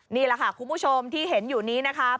นี่แหละค่ะคุณผู้ชมที่เห็นอยู่นี้นะคะ